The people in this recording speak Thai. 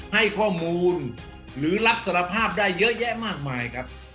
ให้ข้อมูลหรือรับสารภาพได้เยอะแยะมากมายครับ